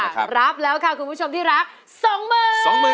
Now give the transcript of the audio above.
ครับรับแล้วค่ะคุณผู้ชมที่รักสองหมื่น